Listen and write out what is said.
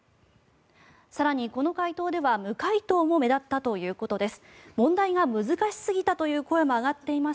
更にこの回答では無回答も目立ったということです。